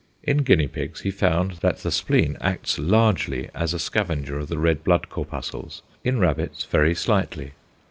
In guinea pigs he found that the spleen acts largely as a scavenger of the red blood corpuscles; in rabbits very slightly.